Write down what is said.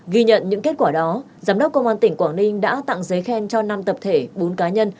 ghi nhận những kết quả đó giám đốc công an tỉnh quảng ninh đã tặng giấy khen cho năm tập thể bốn cá nhân